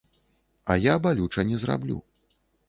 А я балюча не зраблю.